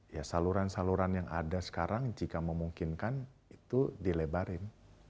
ya saluran saluran yang ada sekarang jika memungkinkan itu dilebarin